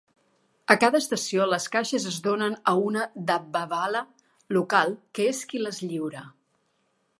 A cada estació, les caixes es donen a un "dabbawala" local, que és qui les lliura.